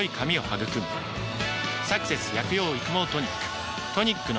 「サクセス薬用育毛トニック」